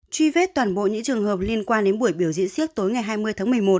truy vết toàn bộ những trường hợp liên quan đến buổi biểu diễn siếc tối ngày hai mươi tháng một mươi một